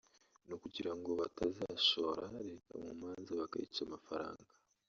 ari ukugirango batazashora Leta mu manza bakayica amafaranga